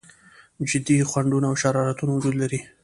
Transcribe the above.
جدي خنډونه او شرارتونه وجود لري.